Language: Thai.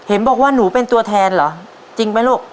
เห็นบอกว่าหนูเป็นตัวแทนเหรอจริงไหมลูก